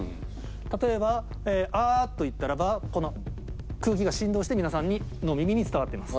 例えば「あー」と言ったらばこの空気が振動して皆さんの耳に伝わっています。